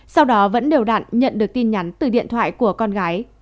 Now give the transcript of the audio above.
sau đó vẫn đều đặn nhận được tin nhắn từ điện thoại của con gái